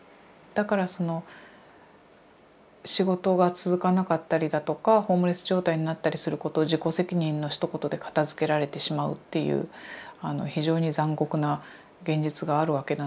だからその仕事が続かなかったりだとかホームレス状態になったりすることを自己責任のひと言で片づけられてしまうっていうあの非常に残酷な現実があるわけなんですけれども。